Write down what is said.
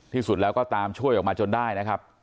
ที่สุดแล้วก็ตามช่วยออกมาจนได้นะครับ